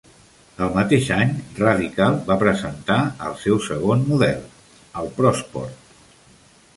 El mateix any, Radical va presentar el seu segon model, el Prosport.